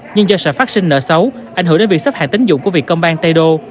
nhưng do sự phát sinh nợ xấu ảnh hưởng đến việc sắp hạng tính dụng của việt công banh tây độ